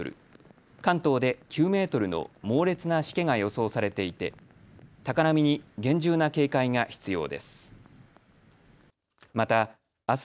関東で９メートルの猛烈なしけが予想されていて高波に厳重な警戒が必要です。